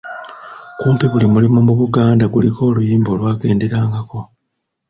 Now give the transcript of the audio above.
Kumpi buli mulimu mu Buganda guliko oluyimba olwagenderangako.